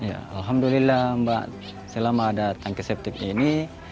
alhamdulillah mbak selama ada tanki septic ini